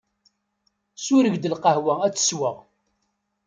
Sureg-d lqahwa ad tt-sweɣ.